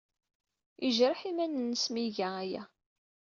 Yejreḥ iman-nnes mi iga aya.